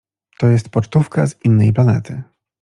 — To jest pocztówka z innej planety.